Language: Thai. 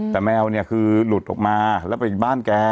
แต่แมวเนี่ยคือหลุดออกมาแล้วไปบ้านแก